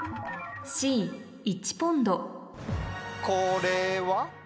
これは？